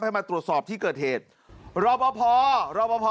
ให้มาตรวจสอบที่เกิดเหตุรอบพอพอรอบพอพอ